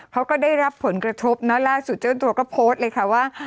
เขาก็ได้รับผลกระทบเนอะล่าสุดเจ้าตัวก็โพสต์เลยค่ะว่า